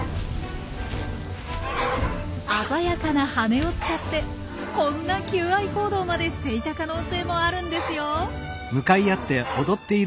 鮮やかな羽を使ってこんな求愛行動までしていた可能性もあるんですよ。